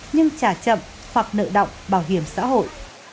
nhưng trả chậm hoặc nợ động bảo hiểm xã hội